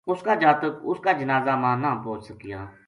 اس کا جاتک اس کا جنازہ ما نہ پوہچ سکیا